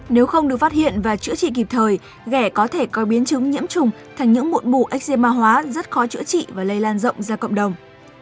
nếu không được phát hiện và chữa trị kịp thời gẻ có thể coi biến chứng nhiễm trùng thành những mụn bù ếcherma hóa rất khó chữa trị và lây lan rộng ra cộng đồng